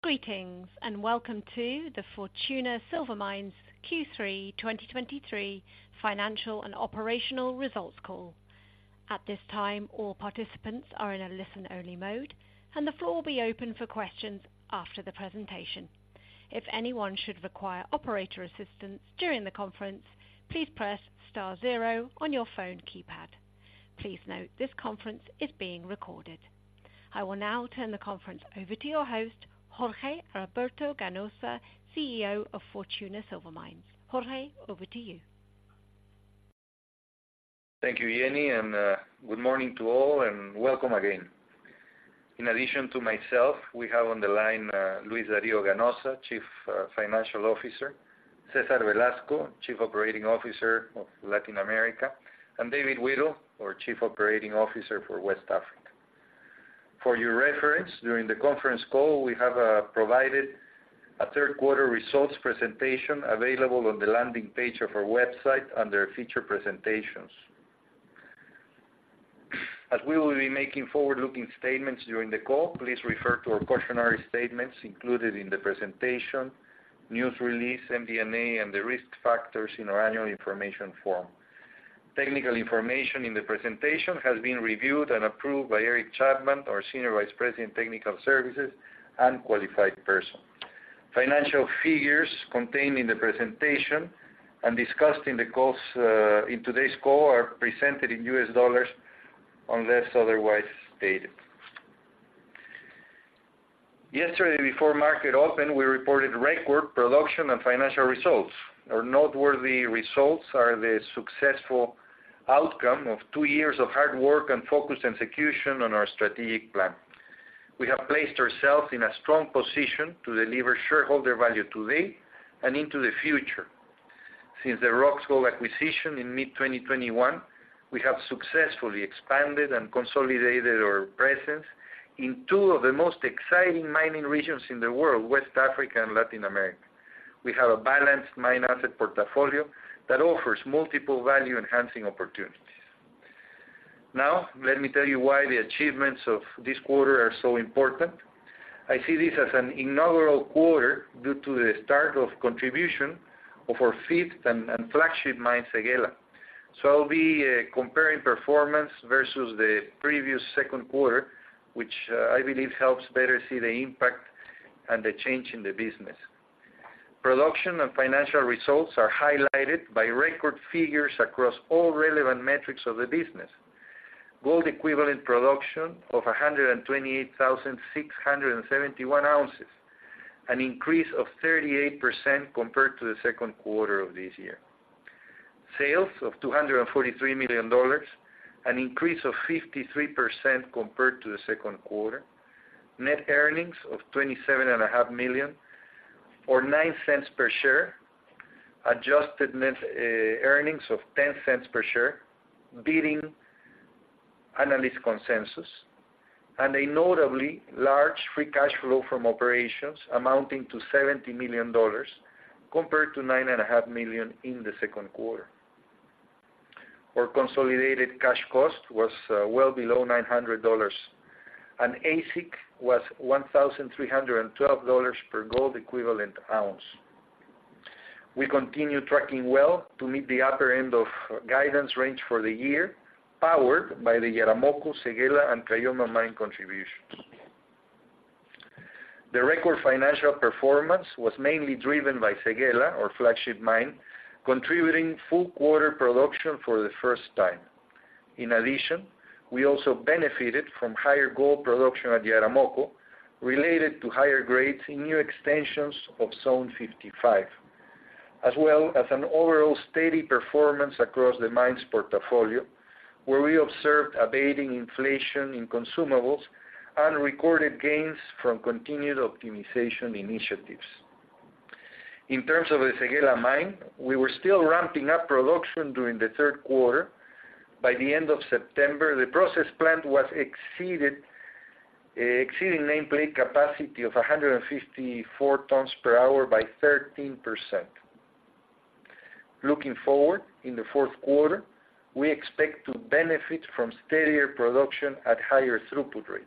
Greetings, and welcome to the Fortuna Silver Mines Q3 2023 Financial and Operational Results Call. At this time, all participants are in a listen-only mode, and the floor will be open for questions after the presentation. If anyone should require operator assistance during the conference, please press star zero on your phone keypad. Please note this conference is being recorded. I will now turn the conference over to your host, Jorge Alberto Ganoza, CEO of Fortuna Silver Mines. Jorge, over to you. Thank you, Jenny, and, good morning to all, and welcome again. In addition to myself, we have on the line, Luis Dario Ganoza, Chief Financial Officer, Cesar Velasco, Chief Operating Officer of Latin America, and David Whittle, our Chief Operating Officer for West Africa. For your reference, during the conference call, we have provided a third quarter results presentation available on the landing page of our website under Featured Presentations. As we will be making forward-looking statements during the call, please refer to our cautionary statements included in the presentation, news release, MD&A, and the risk factors in our annual information form. Technical information in the presentation has been reviewed and approved by Eric Chapman, our Senior Vice President, Technical Services and Qualified Person. Financial figures contained in the presentation and discussed in the calls, in today's call, are presented in US dollars, unless otherwise stated. Yesterday, before market open, we reported record production and financial results. Our noteworthy results are the successful outcome of two years of hard work and focused execution on our strategic plan. We have placed ourselves in a strong position to deliver shareholder value today and into the future. Since the Roxgold acquisition in mid-2021, we have successfully expanded and consolidated our presence in two of the most exciting mining regions in the world, West Africa and Latin America. We have a balanced mine asset portfolio that offers multiple value-enhancing opportunities. Now, let me tell you why the achievements of this quarter are so important. I see this as an inaugural quarter due to the start of contribution of our fifth and flagship mine, Séguéla. I'll be comparing performance versus the previous second quarter, which I believe helps better see the impact and the change in the business. Production and financial results are highlighted by record figures across all relevant metrics of the business. Gold equivalent production of 128,671 ounces, an increase of 38% compared to the second quarter of this year. Sales of $243 million, an increase of 53% compared to the second quarter. Net earnings of $27.5 million, or $0.09 per share. Adjusted net earnings of $0.10 per share, beating analyst consensus. And a notably large free cash flow from operations amounting to $70 million, compared to $9.5 million in the second quarter. Our consolidated cash cost was well below $900, and AISC was $1,312 per gold equivalent ounce. We continue tracking well to meet the upper end of guidance range for the year, powered by the Yaramoko, Séguéla, and Caylloma Mine contributions. The record financial performance was mainly driven by Séguéla, our flagship mine, contributing full quarter production for the first time. In addition, we also benefited from higher gold production at Yaramoko, related to higher grades in new extensions of Zone 55, as well as an overall steady performance across the mines portfolio, where we observed abating inflation in consumables and recorded gains from continued optimization initiatives.In terms of the Séguéla Mine, we were still ramping up production during the third quarter. By the end of September, the process plant was exceeded, exceeding nameplate capacity of 154 tons per hour by 13%. Looking forward, in the fourth quarter, we expect to benefit from steadier production at higher throughput rate.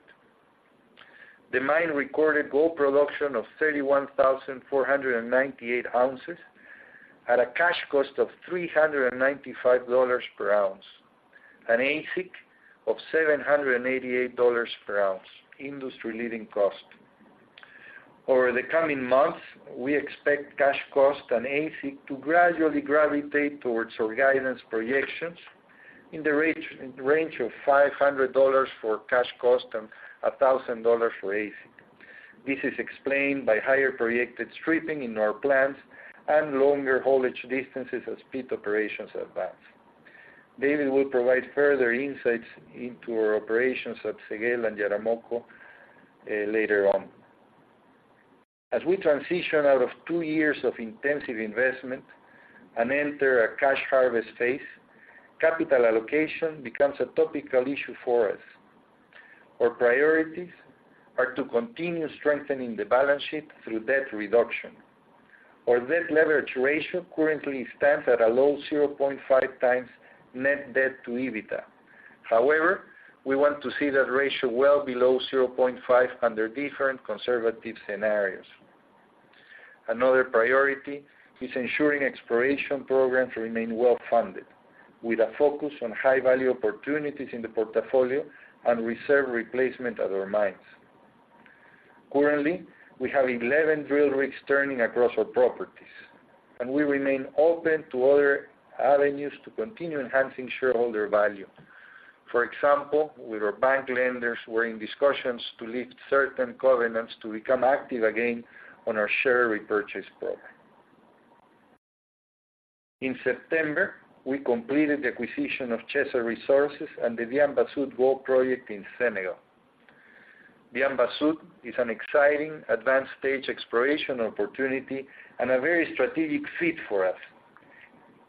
The mine recorded gold production of 31,498 ounces at a cash cost of $395 per ounce, an AISC of $788 per ounce, industry-leading cost. Over the coming months, we expect cash cost and AISC to gradually gravitate towards our guidance projections in the range of $500 for cash cost and $1,000 for AISC. This is explained by higher projected stripping in our plans and longer haulage distances as pit operations advance. David will provide further insights into our operations at Séguéla and Yaramoko later on. As we transition out of two years of intensive investment and enter a cash harvest phase, capital allocation becomes a topical issue for us. Our priorities are to continue strengthening the balance sheet through debt reduction. Our debt leverage ratio currently stands at a low 0.5 times net debt to EBITDA. However, we want to see that ratio well below 0.5 under different conservative scenarios. Another priority is ensuring exploration programs remain well-funded, with a focus on high-value opportunities in the portfolio and reserve replacement at our mines. Currently, we have 11 drill rigs turning across our properties, and we remain open to other avenues to continue enhancing shareholder value. For example, with our bank lenders, we're in discussions to lift certain covenants to become active again on our share repurchase program. In September, we completed the acquisition of Chesser Resources and the Diamba Sud Gold Project in Senegal. Diamba Sud is an exciting advanced stage exploration opportunity and a very strategic fit for us.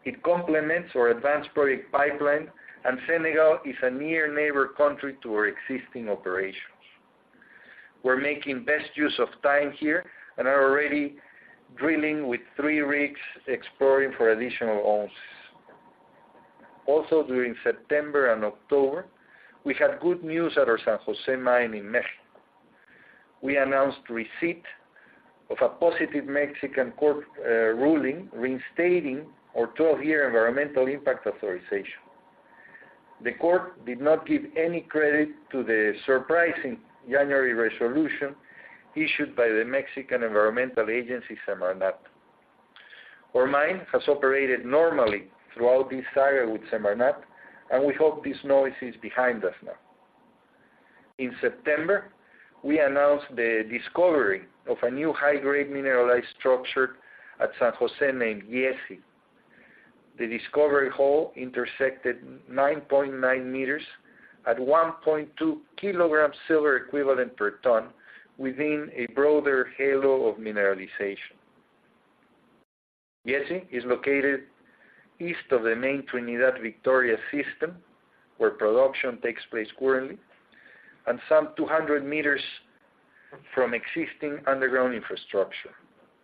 It complements our advanced project pipeline, and Senegal is a near neighbor country to our existing operations. We're making best use of time here and are already drilling with 3 rigs exploring for additional ounces. Also, during September and October, we had good news at our San Jose Mine in Mexico. We announced receipt of a positive Mexican court ruling, reinstating our 12-year environmental impact authorization. The court did not give any credit to the surprising January resolution issued by the Mexican Environmental Agency, SEMARNAT. Our mine has operated normally throughout this saga with SEMARNAT, and we hope this noise is behind us now. In September, we announced the discovery of a new high-grade mineralized structure at San Jose named Yessi. The discovery hole intersected 9.9 meters at 1.2 kilograms silver equivalent per ton, within a broader halo of mineralization. Yessi is located east of the main Trinidad-Victoria system, where production takes place currently, and some 200 meters from existing underground infrastructure.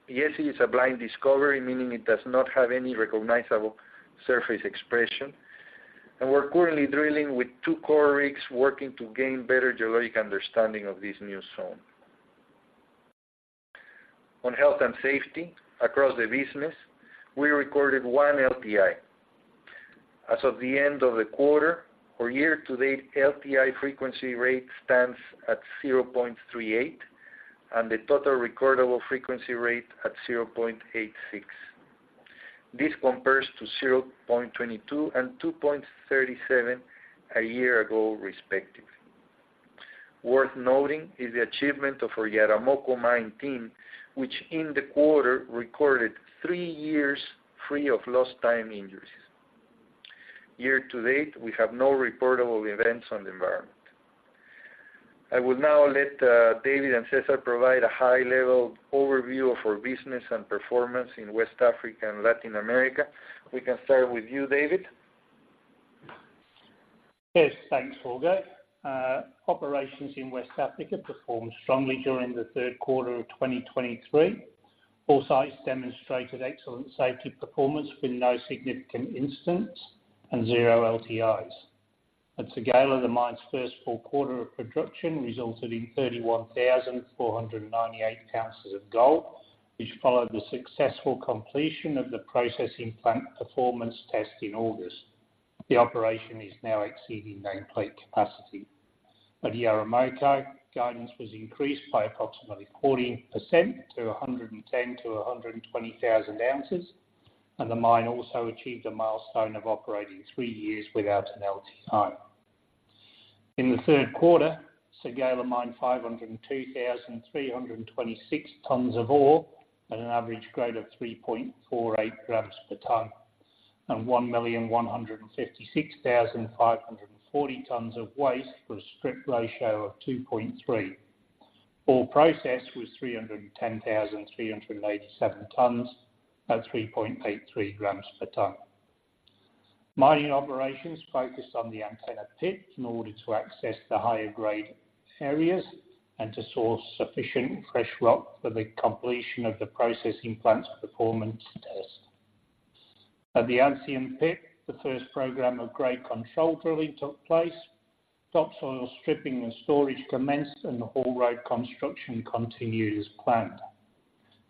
Yessi is a blind discovery, meaning it does not have any recognizable surface expression. We're currently drilling with two core rigs working to gain better geologic understanding of this new zone. On health and safety across the business, we recorded one LTI. As of the end of the quarter, our year-to-date LTI frequency rate stands at 0.38, and the total recordable frequency rate at 0.86. This compares to 0.22 and 2.37 a year ago, respectively. Worth noting is the achievement of our Yaramoko mine team, which in the quarter recorded three years free of lost time injuries. Year to date, we have no reportable events on the environment. I will now let, David and Cesar provide a high-level overview of our business and performance in West Africa and Latin America. We can start with you, David. Yes, thanks, Jorge. Operations in West Africa performed strongly during the third quarter of 2023. All sites demonstrated excellent safety performance with no significant incidents and zero LTIs. At Séguéla, the mine's first full quarter of production resulted in 31,498 ounces of gold, which followed the successful completion of the processing plant performance test in August. The operation is now exceeding nameplate capacity. At Yaramoko, guidance was increased by approximately 40% to 110,000-120,000 ounces, and the mine also achieved a milestone of operating three years without an LTI. In the third quarter, Séguéla mined 502,326 tons of ore at an average grade of 3.48 grams per ton, and 1,156,540 tons of waste for a strip ratio of 2.3. Ore processed was 310,387 tons at 3.83 grams per ton. Mining operations focused on the Antenna Pit in order to access the higher grade areas and to source sufficient fresh rock for the completion of the processing plant's performance test. At the Ancien Pit, the first program of grade control drilling took place. Topsoil stripping and storage commenced, and the haul road construction continued as planned.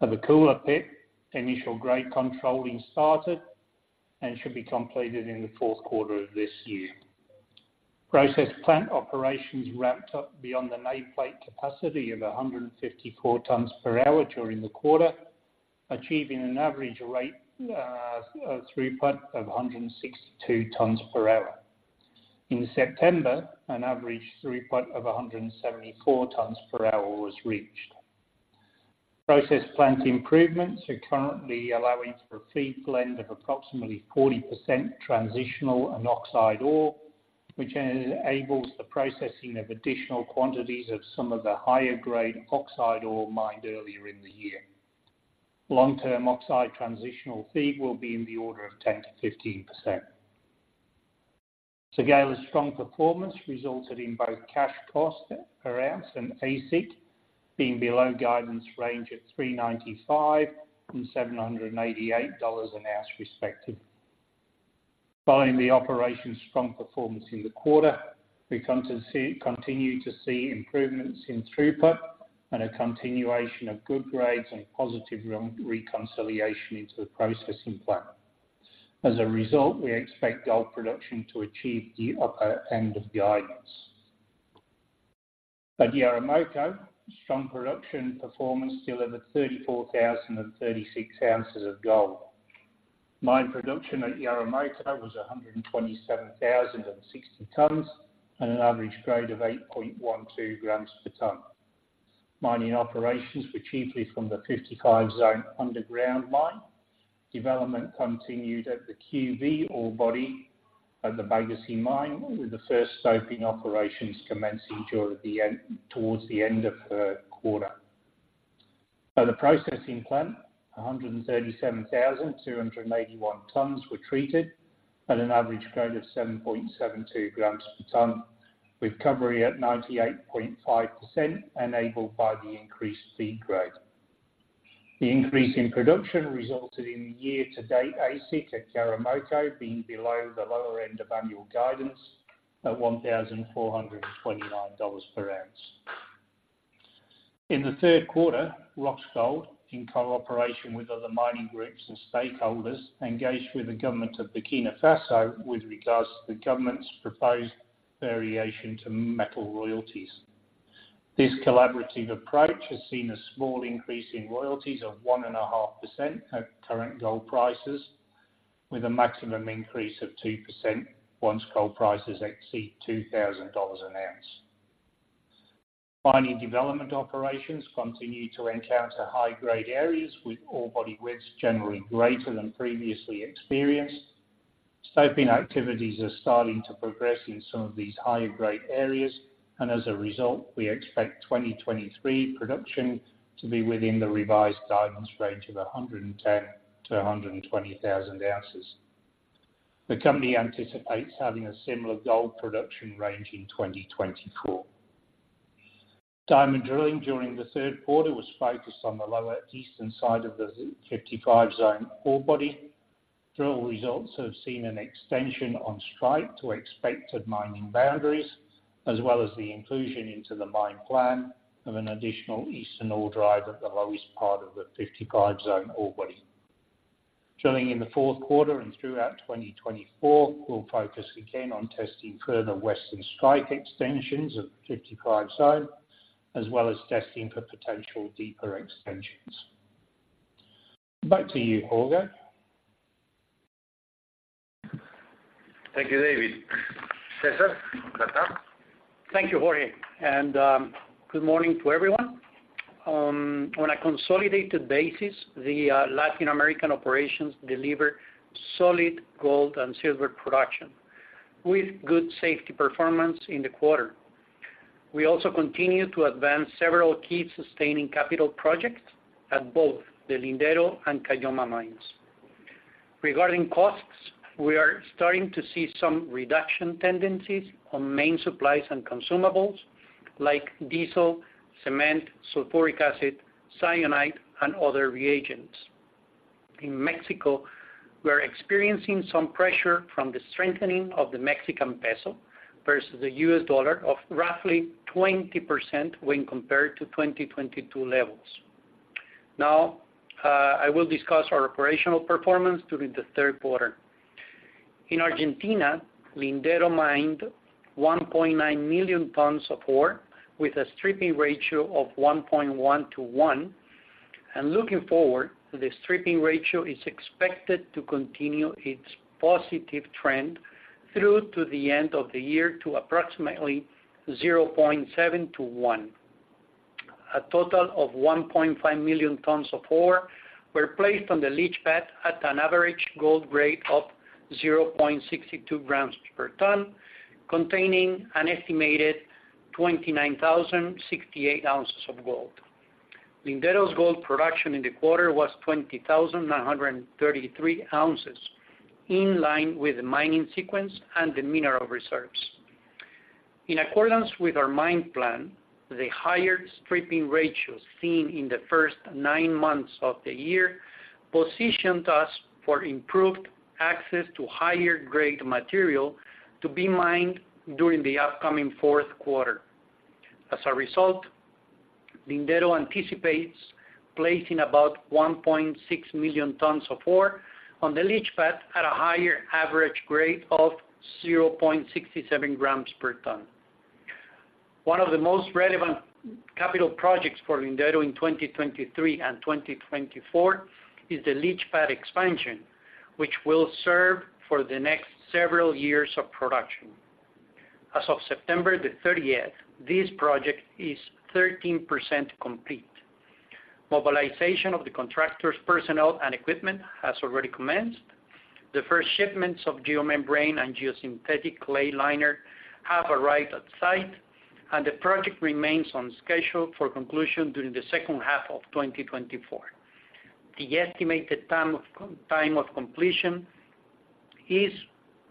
At the Koula Pit, initial grade controlling started and should be completed in the fourth quarter of this year. Process plant operations ramped up beyond the nameplate capacity of 154 tons per hour during the quarter, achieving an average rate of throughput of 162 tons per hour. In September, an average throughput of 174 tons per hour was reached. Process plant improvements are currently allowing for a feed blend of approximately 40% transitional and oxide ore, which enables the processing of additional quantities of some of the higher grade oxide ore mined earlier in the year. Long-term oxide transitional feed will be in the order of 10%-15%.... Séguéla's strong performance resulted in both cash cost per ounce and AISC being below guidance range at $395 and $788 an ounce, respectively. Following the operation's strong performance in the quarter, we continue to see improvements in throughput and a continuation of good grades and positive reconciliation into the processing plant. As a result, we expect gold production to achieve the upper end of guidance. At Yaramoko, strong production performance delivered 34,036 ounces of gold. Mine production at Yaramoko was 127,060 tons, and an average grade of 8.12 grams per ton. Mining operations were chiefly from the Zone 55 underground mine. Development continued at the QV ore body at the Bagassi Mine, with the first stoping operations commencing towards the end of the quarter. At the processing plant, 137,281 tons were treated at an average grade of 7.72 grams per ton, with recovery at 98.5%, enabled by the increased feed grade. The increase in production resulted in the year-to-date AISC at Yaramoko being below the lower end of annual guidance at $1,429 per ounce. In the third quarter, Roxgold, in cooperation with other mining groups and stakeholders, engaged with the government of Burkina Faso with regards to the government's proposed variation to metal royalties. This collaborative approach has seen a small increase in royalties of 1.5% at current gold prices, with a maximum increase of 2% once gold prices exceed $2,000 an ounce. Mining development operations continue to encounter high-grade areas, with ore body widths generally greater than previously experienced. Stoping activities are starting to progress in some of these higher-grade areas, and as a result, we expect 2023 production to be within the revised guidance range of 110,000-120,000 ounces. The company anticipates having a similar gold production range in 2024. Diamond drilling during the third quarter was focused on the lower eastern side of the Zone 55 ore body. Drill results have seen an extension on strike to expected mining boundaries, as well as the inclusion into the mine plan of an additional eastern ore drive at the lowest part of the Zone 55 ore body. Drilling in the fourth quarter and throughout 2024 will focus again on testing further western strike extensions of the Zone 55, as well as testing for potential deeper extensions. Back to you, Jorge. Thank you, David. Cesar, go ahead. Thank you, Jorge, and, good morning to everyone. On a consolidated basis, the Latin American operations delivered solid gold and silver production, with good safety performance in the quarter. We also continued to advance several key sustaining capital projects at both the Lindero and Caylloma mines. Regarding costs, we are starting to see some reduction tendencies on main supplies and consumables like diesel, cement, sulfuric acid, cyanide, and other reagents. In Mexico, we are experiencing some pressure from the strengthening of the Mexican peso versus the U.S. dollar of roughly 20% when compared to 2022 levels. Now, I will discuss our operational performance during the third quarter. In Argentina, Lindero mined 1.9 million tons of ore with a stripping ratio of 1.1 to 1. Looking forward, the stripping ratio is expected to continue its positive trend through to the end of the year to approximately 0.7:1. A total of 1.5 million tons of ore were placed on the leach pad at an average gold grade of 0.62 grams per ton, containing an estimated 29,068 ounces of gold. Lindero's gold production in the quarter was 20,933 ounces, in line with the mining sequence and the mineral reserves. In accordance with our mine plan, the higher stripping ratios seen in the first nine months of the year positioned us for improved access to higher grade material to be mined during the upcoming fourth quarter. As a result, Lindero anticipates placing about 1.6 million tons of ore on the leach pad at a higher average grade of 0.67 grams per ton. One of the most relevant capital projects for Lindero in 2023 and 2024 is the leach pad expansion, which will serve for the next several years of production. As of September 30, this project is 13% complete. Mobilization of the contractor's personnel and equipment has already commenced. The first shipments of geomembrane and geosynthetic clay liner have arrived at site, and the project remains on schedule for conclusion during the second half of 2024. The estimated time of completion is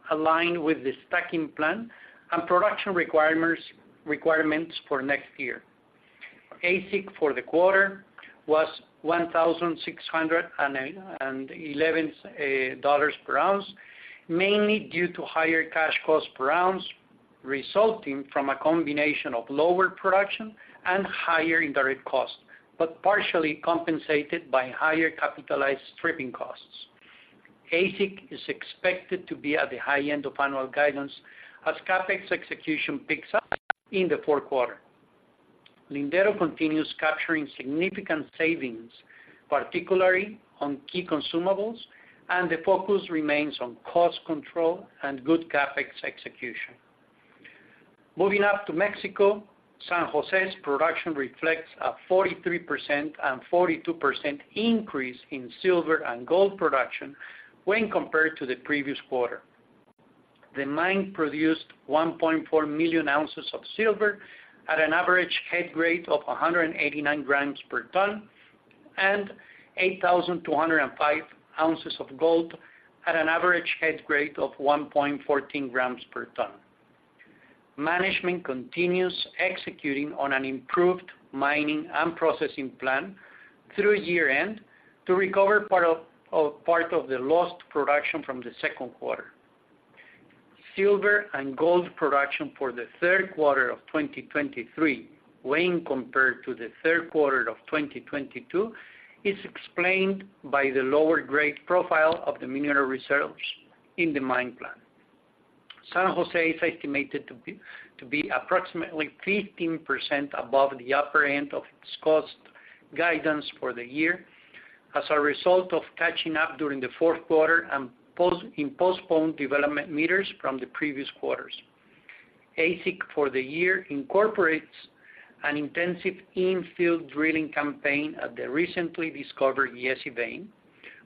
aligned with the stacking plan and production requirements for next year. AISC for the quarter was $1,611 per ounce, mainly due to higher cash cost per ounce, resulting from a combination of lower production and higher indirect costs, but partially compensated by higher capitalized stripping costs. AISC is expected to be at the high end of annual guidance as CapEx execution picks up in the fourth quarter. Lindero continues capturing significant savings, particularly on key consumables, and the focus remains on cost control and good CapEx execution. Moving up to Mexico, San Jose's production reflects a 43% and 42% increase in silver and gold production when compared to the previous quarter. The mine produced 1.4 million ounces of silver at an average head grade of 189 grams per ton, and 8,205 ounces of gold at an average head grade of 1.14 grams per ton. Management continues executing on an improved mining and processing plan through year-end to recover part of the lost production from the second quarter. Silver and gold production for the third quarter of 2023, when compared to the third quarter of 2022, is explained by the lower grade profile of the mineral reserves in the mine plan. San Jose is estimated to be approximately 15% above the upper end of its cost guidance for the year, as a result of catching up during the fourth quarter and postponed development meters from the previous quarters. AISC, for the year, incorporates an intensive infill drilling campaign at the recently discovered Yessi vein,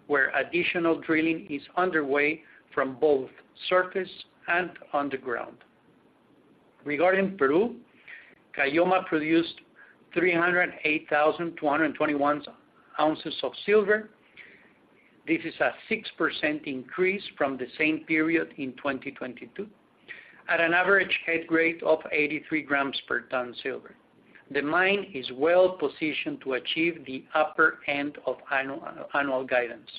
where additional drilling is underway from both surface and underground. Regarding Peru, Caylloma produced 308,221 ounces of silver. This is a 6% increase from the same period in 2022, at an average head grade of 83 grams per ton silver. The mine is well positioned to achieve the upper end of annual, annual guidance.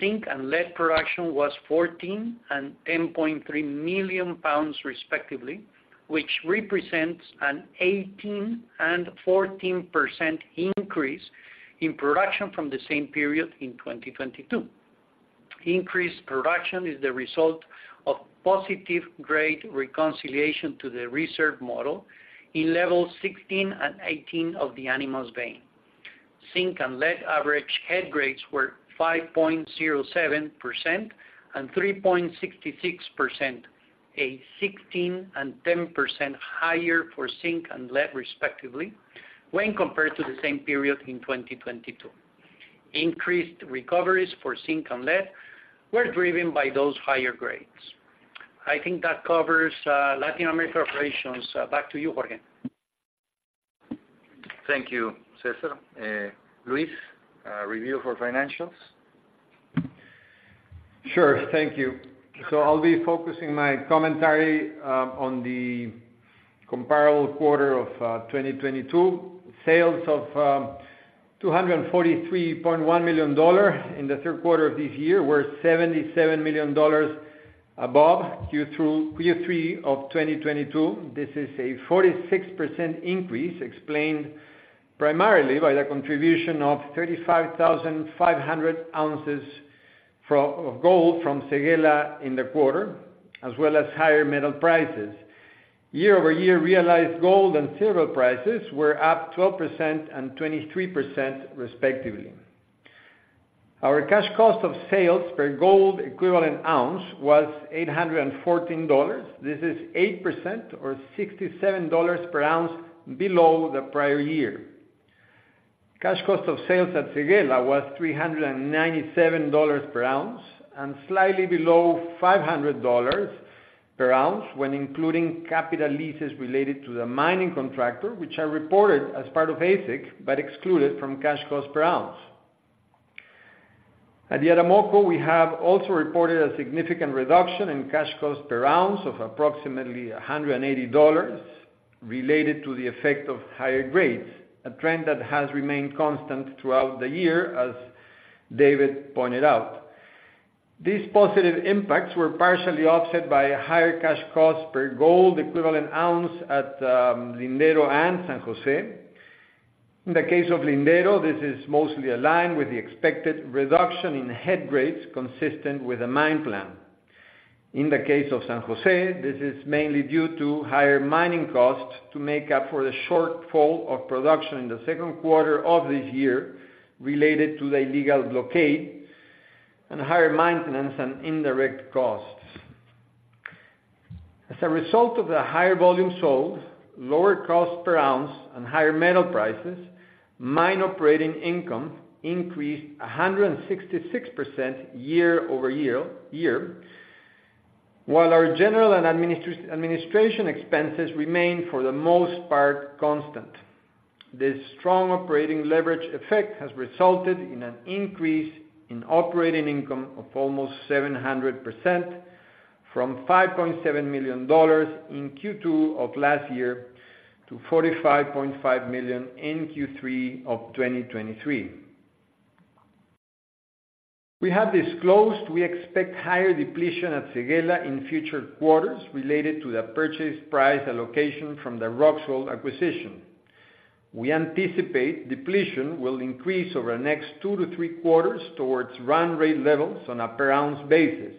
Zinc and lead production was 14 and 10.3 million pounds, respectively, which represents an 18% and 14% increase in production from the same period in 2022. Increased production is the result of positive grade reconciliation to the reserve model in level 16 and 18 of the Animas vein. Zinc and lead average head grades were 5.07% and 3.66%, 16% and 10% higher for zinc and lead, respectively, when compared to the same period in 2022. Increased recoveries for zinc and lead were driven by those higher grades. I think that covers Latin America operations. Back to you, Jorge. Thank you, Cesar. Luis, review for financials? Sure. Thank you. So I'll be focusing my commentary on the comparable quarter of 2022. Sales of $243.1 million in the third quarter of this year were $77 million above Q2 through Q3 of 2022. This is a 46% increase, explained primarily by the contribution of 35,500 ounces of gold from Séguéla in the quarter, as well as higher metal prices. Year-over-year realized gold and silver prices were up 12% and 23%, respectively. Our cash cost of sales per gold equivalent ounce was $814. This is 8% or $67 per ounce below the prior year. Cash cost of sales at Séguéla was $397 per ounce and slightly below $500 per ounce when including capital leases related to the mining contractor, which are reported as part of AISC, but excluded from cash cost per ounce. At the Yaramoko, we have also reported a significant reduction in cash cost per ounce of approximately $180, related to the effect of higher grades, a trend that has remained constant throughout the year, as David pointed out. These positive impacts were partially offset by a higher cash cost per gold equivalent ounce at, Lindero and San Jose. In the case of Lindero, this is mostly aligned with the expected reduction in head grades, consistent with the mine plan. In the case of San Jose, this is mainly due to higher mining costs to make up for the shortfall of production in the second quarter of this year, related to the illegal blockade and higher maintenance and indirect costs. As a result of the higher volume sold, lower cost per ounce, and higher metal prices, mine operating income increased 166% year-over-year. While our general and administration expenses remain, for the most part, constant, this strong operating leverage effect has resulted in an increase in operating income of almost 700%, from $5.7 million in Q2 of last year to $45.5 million in Q3 of 2023. We have disclosed we expect higher depletion at Séguéla in future quarters related to the purchase price allocation from the Roxgold acquisition. We anticipate depletion will increase over the next 2-3 quarters towards run rate levels on a per ounce basis.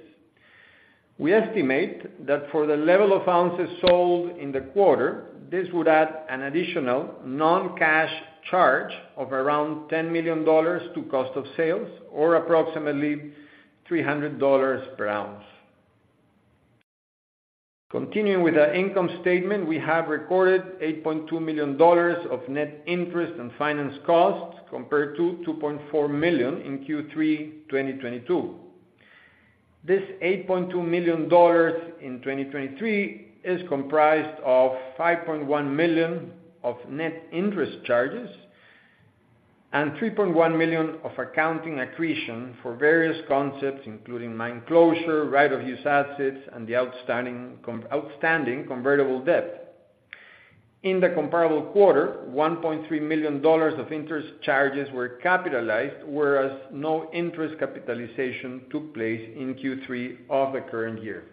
We estimate that for the level of ounces sold in the quarter, this would add an additional non-cash charge of around $10 million to cost of sales, or approximately $300 per ounce. Continuing with the income statement, we have recorded $8.2 million of net interest and finance costs, compared to $2.4 million in Q3 2022. This $8.2 million in 2023 is comprised of $5.1 million of net interest charges and $3.1 million of accounting accretion for various concepts, including mine closure, right of use assets, and the outstanding outstanding convertible debt. In the comparable quarter, $1.3 million of interest charges were capitalized, whereas no interest capitalization took place in Q3 of the current year.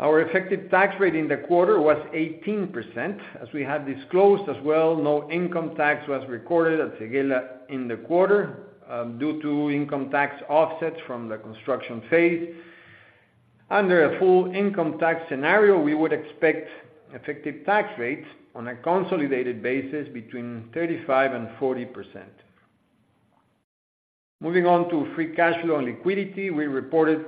Our effective tax rate in the quarter was 18%. As we have disclosed as well, no income tax was recorded at Séguéla in the quarter, due to income tax offsets from the construction phase. Under a full income tax scenario, we would expect effective tax rates on a consolidated basis between 35% and 40%. Moving on to free cash flow and liquidity, we reported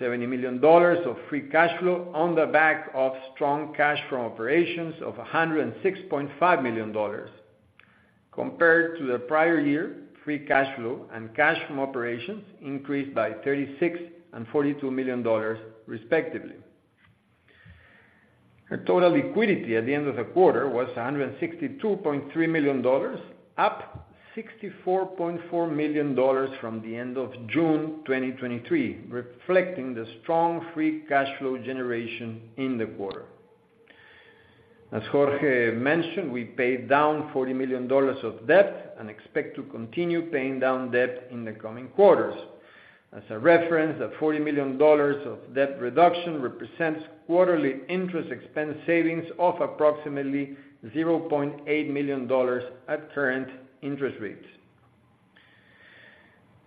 $70 million of free cash flow on the back of strong cash from operations of $106.5 million. Compared to the prior year, free cash flow and cash from operations increased by $36 million and $42 million, respectively. Our total liquidity at the end of the quarter was $162.3 million, up $64.4 million from the end of June 2023, reflecting the strong free cash flow generation in the quarter. As Jorge mentioned, we paid down $40 million of debt and expect to continue paying down debt in the coming quarters. As a reference, the $40 million of debt reduction represents quarterly interest expense savings of approximately $0.8 million at current interest rates.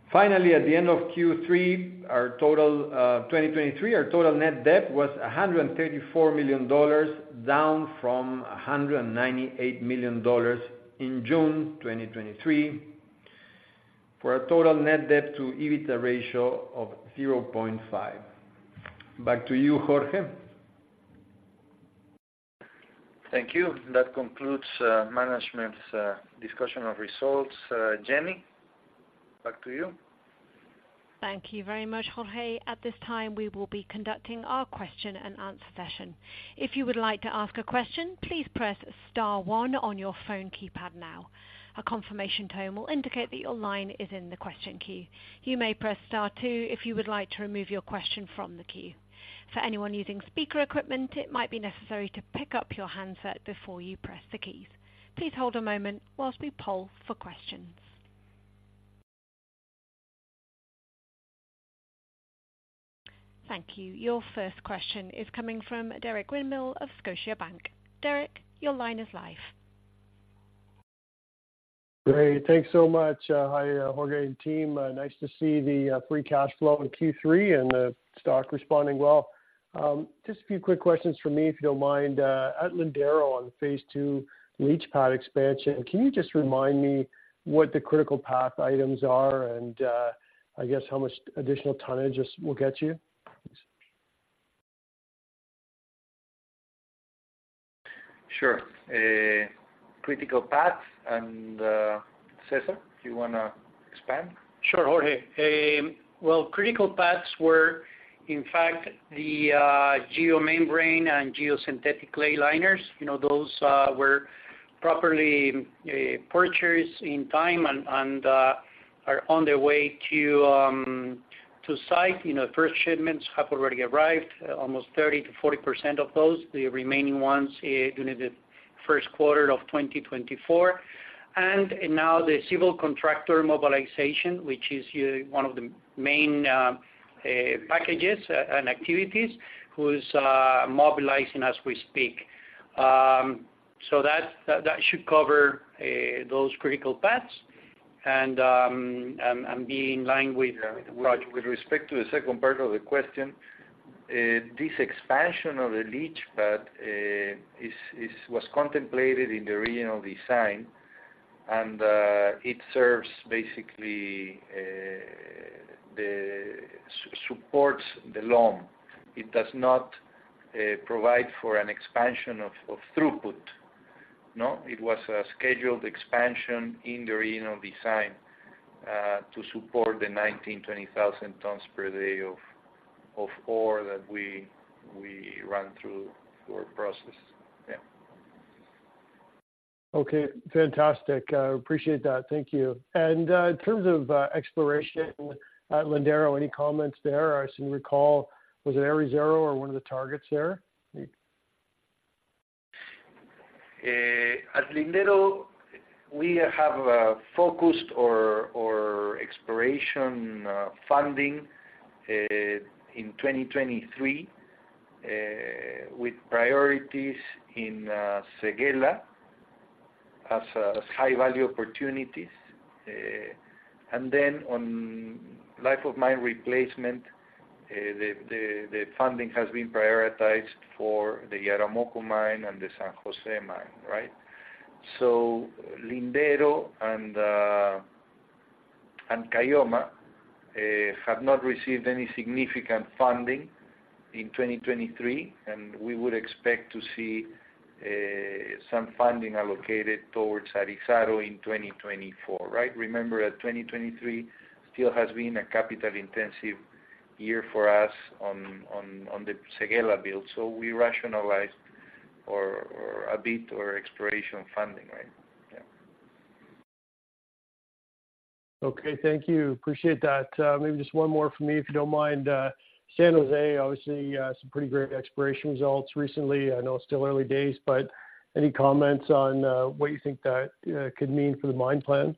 Finally, at the end of Q3, our total, 2023, our total net debt was $134 million, down from $198 million in June 2023, for a total net debt to EBITDA ratio of 0.5. Back to you, Jorge. Thank you. That concludes management's discussion of results. Jenny, back to you. Thank you very much, Jorge. At this time, we will be conducting our question-and-answer session. If you would like to ask a question, please press star one on your phone keypad now. A confirmation tone will indicate that your line is in the question queue. You may press star two if you would like to remove your question from the queue. For anyone using speaker equipment, it might be necessary to pick up your handset before you press the keys. Please hold a moment while we poll for questions. Thank you. Your first question is coming from Derek Macpherson of Scotiabank. Derek, your line is live. Great, thanks so much. Hi, Jorge and team. Nice to see the free cash flow in Q3 and the stock responding well. Just a few quick questions from me, if you don't mind. At Lindero, on the phase two leach pad expansion, can you just remind me what the critical path items are and, I guess how much additional tonnage this will get you? Sure. Critical paths and, Cesar, do you wanna expand? Sure, Jorge. Well, critical paths were, in fact, the geomembrane and geosynthetic clay liners. You know, those were properly purchased in time and are on their way to site. You know, first shipments have already arrived, almost 30%-40% of those, the remaining ones during the first quarter of 2024. And now the civil contractor mobilization, which is one of the main packages and activities, who is mobilizing as we speak. So that should cover those critical paths. And be in line with the project. With respect to the second part of the question, this expansion of the leach pad is—was contemplated in the original design, and it serves basically the—supports the ROM. It does not provide for an expansion of throughput. No, it was a scheduled expansion in the original design to support the 19,000-20,000 tons per day of ore that we run through our process. Yeah. Okay, fantastic. Appreciate that. Thank you. In terms of exploration at Lindero, any comments there? I seem to recall, was it Arizaro or one of the targets there? At Lindero, we have focused our exploration funding in 2023 with priorities in Séguéla as high-value opportunities. And then on life of mine replacement, the funding has been prioritized for the Yaramoko Mine and the San Jose Mine, right? So Lindero and Caylloma have not received any significant funding in 2023, and we would expect to see some funding allocated towards Arizaro in 2024, right? Remember that 2023 still has been a capital-intensive year for us on the Séguéla build, so we rationalized or a bit our exploration funding, right? Yeah. Okay. Thank you. Appreciate that. Maybe just one more from me, if you don't mind. San Jose, obviously, some pretty great exploration results recently. I know it's still early days, but any comments on, what you think that, could mean for the mine plan?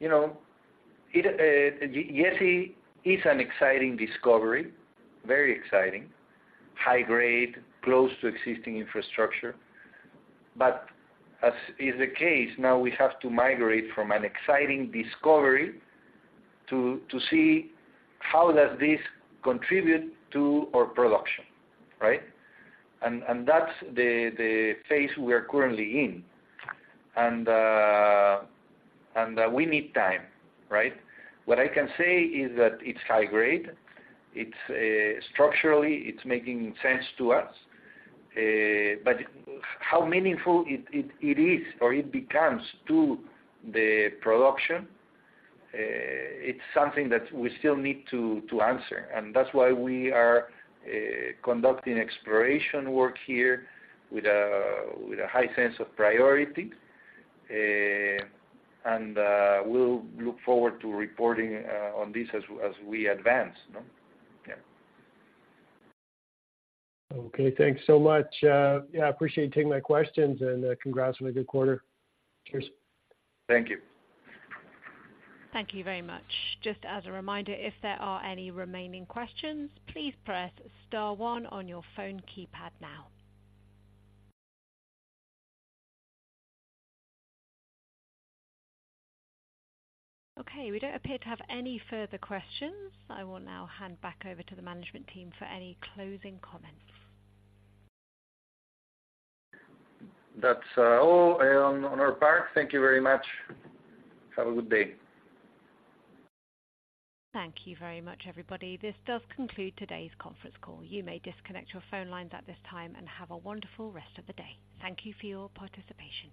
You know, it, Yessi is an exciting discovery, very exciting. High grade, close to existing infrastructure. But as is the case, now we have to migrate from an exciting discovery to see how does this contribute to our production, right? And that's the phase we are currently in. And we need time, right? What I can say is that it's high grade. It's structurally, it's making sense to us. But how meaningful it is or it becomes to the production, it's something that we still need to answer. And that's why we are conducting exploration work here with a high sense of priority. And we'll look forward to reporting on this as we advance, no? Yeah. Okay, thanks so much. Yeah, I appreciate you taking my questions, and congrats on a good quarter. Cheers. Thank you. Thank you very much. Just as a reminder, if there are any remaining questions, please press star one on your phone keypad now. Okay, we don't appear to have any further questions. I will now hand back over to the management team for any closing comments. That's all on our part. Thank you very much. Have a good day. Thank you very much, everybody. This does conclude today's conference call. You may disconnect your phone lines at this time and have a wonderful rest of the day. Thank you for your participation.